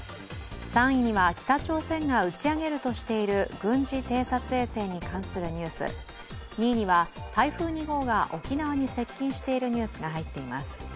３位には北朝鮮が打ち上げるとしている軍事偵察衛星に関するニュース、２位には台風２号が沖縄に接近しているニュースが入っています。